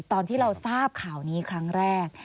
ตอนที่เราทราบข่าวนี้ครั้งแรก